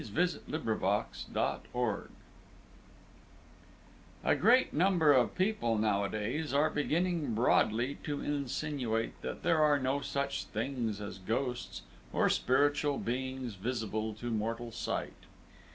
] James Hogg (1770 1835) A great number of people nowadays are beginning broadly to insinuate that there are no such things as ghosts, or spiritual beings visible to mortal sight.